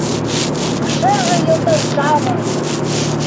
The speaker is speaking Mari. — Пашазе йолташ-шамыч!